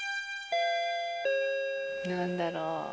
何だろう？